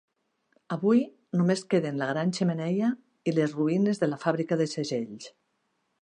Avui, només queden la gran xemeneia i les ruïnes de la fàbrica de segells.